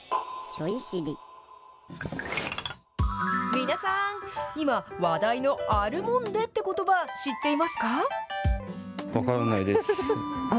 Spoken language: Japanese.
皆さん、今、話題のアルモンデってことば、知っていますか？